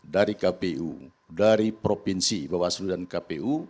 dari kpu dari provinsi bawah seluruh dan kpu